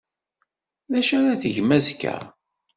D acu ara tgem azekka?